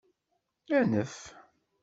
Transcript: Anef.